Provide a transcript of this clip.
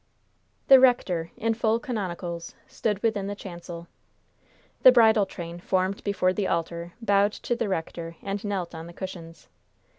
The rector, in full canonicals, stood within the chancel. The bridal train, formed before the altar, bowed to the rector, and knelt on the cushions.